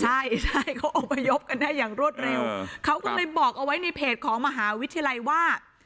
ใช่ใช่เขาอบพยพกันได้อย่างรวดเร็วเขาก็เลยบอกเอาไว้ในเพจของมหาวิทยาลัยว่า